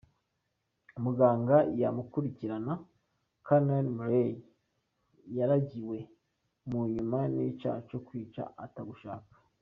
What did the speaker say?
Umuganga yamukurikirana Conrad Murray yaragiwe munyuma n'icaha co kwica ata gushaka.